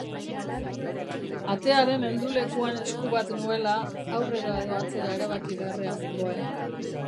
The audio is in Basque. Atearen heldulekuan esku bat nuela, aurrera edo atzera erabaki beharrean nengoen.